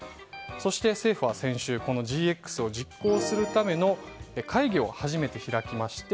そして、政府は先週このＧＸを実行するための会議を初めて開きました。